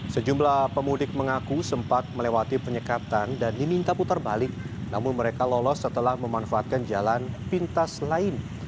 sejumlah pemudik mengaku sempat melewati penyekatan dan diminta putar balik namun mereka lolos setelah memanfaatkan jalan pintas lain